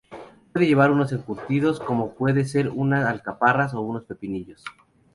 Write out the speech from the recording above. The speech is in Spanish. Puede llevar unos encurtidos como puede ser unas alcaparras, o unos pepinillos.